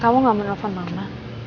kamu nggak menelepon mama